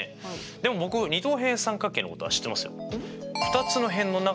でも僕二等辺三角形のことは知ってますよ。